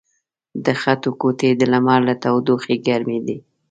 د خټو کوټې د لمر له تودوخې ګرمې دي.